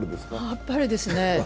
あっぱれですね